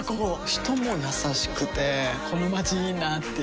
人も優しくてこのまちいいなぁっていう